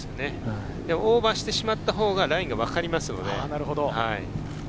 オーバーしてしまったほうが、ラインが分かりますもんね。